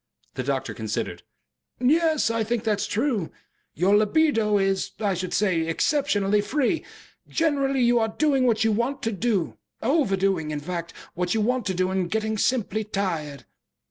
The doctor considered. "Yes, I think that is true. Your LIBIDO is, I should say, exceptionally free. Generally you are doing what you want to do overdoing, in fact, what you want to do and getting simply tired."